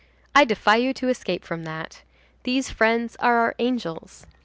I defy you to escape from that. These friends are our angels.